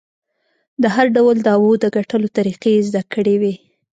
د هر ډول دعوو د ګټلو طریقې یې زده کړې وې.